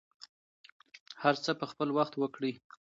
هر څه په خپل وخت وکړئ.